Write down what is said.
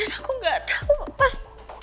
aku gak tau pas